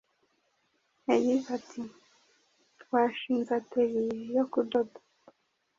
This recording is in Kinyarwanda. Yagize ati Twashinze atelier yo kudoda